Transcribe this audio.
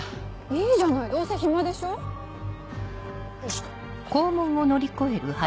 いいじゃないどうせ暇でしょ？よいしょ。